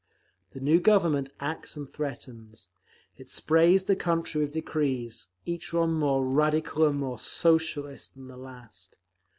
The new Government acts and threatens, it sprays the country with decrees, each one more radical and more "socialist" than the last.